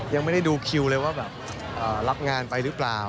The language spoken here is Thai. ยังไม่ได้ดูคิวเลยว่าแบบรับงานไปหรือเปล่า